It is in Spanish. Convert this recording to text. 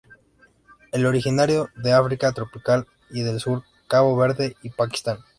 Es originario de África tropical y del sur, Cabo Verde y Pakistán.